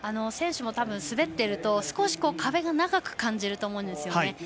選手も滑っていると少し壁が長く感じると思うんですよね。